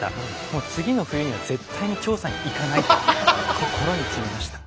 もう次の冬には絶対に調査に行かないと心に決めました。